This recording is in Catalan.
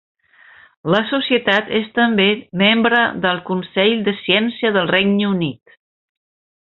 La Societat és també membre del Consell de Ciència del Regne Unit.